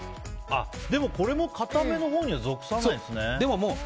でも、これもかためのほうには属さないんですね。